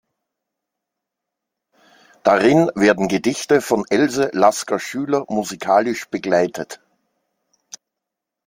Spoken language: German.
Darin werden Gedichte von Else Lasker-Schüler musikalisch begleitet.